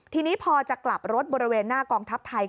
ทีนี้พอจะกลับรถบริเวณหน้ากองทัพไทย